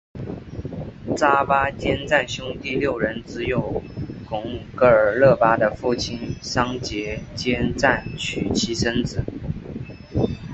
扎巴坚赞兄弟六人只有贡噶勒巴的父亲桑结坚赞娶妻生子。